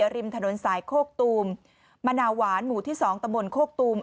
ริมถนนสายโคกตูมมะนาวหวานหมู่ที่๒ตะบนโคกตูม